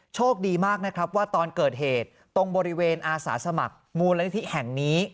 โชคดีมากนะครับว่าตอนเกิดเหตุตรงบริเวณอาสาสมัครมูลนิธิแห่งนี้